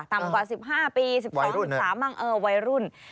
ต่ำกว่า๑๕ปี๑๒๑๓บ้างเออวัยรุ่น